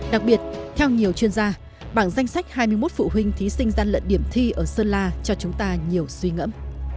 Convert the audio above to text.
đặc biệt theo nhiều chuyên gia bảng danh sách hai mươi một phụ huynh thí sinh gian lận điểm thi ở sơn la cho chúng ta nhiều suy ngẫm